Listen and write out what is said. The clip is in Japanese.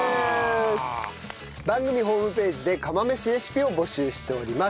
番組ホームページで釜飯レシピを募集しております。